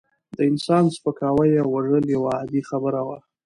د انسان سپکاوی او وژل یوه عادي خبره وه.